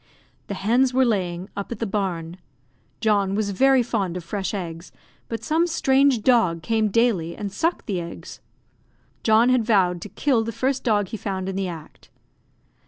The hens were laying, up at the barn. John was very fond of fresh eggs, but some strange dog came daily and sucked the eggs. John had vowed to kill the first dog he found in the act.